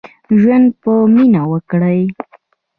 ژوند په مينه وکړئ.